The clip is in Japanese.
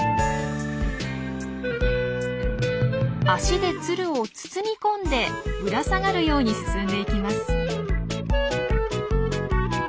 足でツルを包み込んでぶら下がるように進んでいきます。